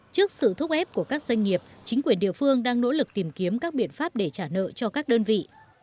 trước sự thúc ép của các doanh nghiệp chính quyền địa phương đang nỗ lực tìm kiếm các biện pháp để trả nợ cho các đơn vị